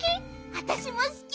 わたしもすき。